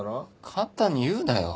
簡単に言うなよ。